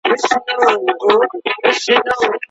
که موټرې په ټاکلي ځای کي ودرول سي، نو لاري نه بندیږي.